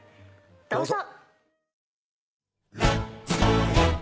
どうぞ。